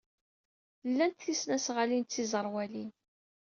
Lant tisnasɣalin d tiẓerwalin.